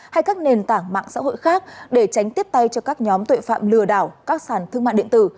hay các nền tảng mạng xã hội khác để tránh tiếp tay cho các nhóm tội phạm lừa đảo các sàn thương mại điện tử